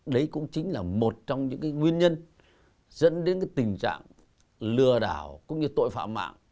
đấy cũng chính là một trong những cái nguyên nhân dẫn đến cái tình trạng lừa đảo cũng như tội phạm mạng